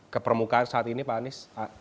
ke permukaan saat ini pak anies